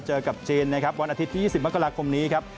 เจอกับจีนนะครับวันอาทิตย์ที่๒๐มกราคมนี้ครับ